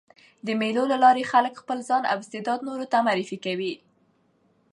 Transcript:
د مېلو له لاري خلک خپل ځان او استعداد نورو ته معرفي کوي.